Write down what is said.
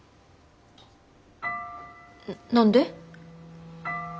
何で？